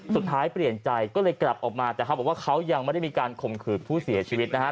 เปลี่ยนใจก็เลยกลับออกมาแต่เขาบอกว่าเขายังไม่ได้มีการข่มขืนผู้เสียชีวิตนะฮะ